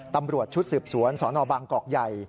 ตำรวจชุดสืบสวนสนบางกอกใหญ่